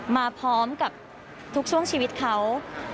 มาพร้อมกับทุกช่วงชีวิตเขา